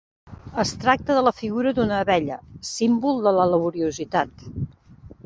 Es tracta de la figura d'una abella, símbol de la laboriositat.